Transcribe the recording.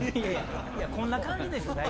こんな感じでしょ。